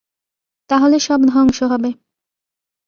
তাহলে সব ধ্বংস হবে।